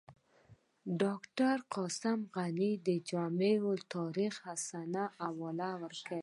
ډاکټر قاسم غني د جامع التواریخ حسني حواله ورکوي.